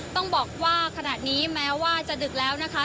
ต้องบอกว่าขณะนี้แม้ว่าจะดึกแล้วนะคะ